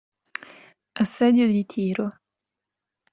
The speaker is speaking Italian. Assedio di Tiro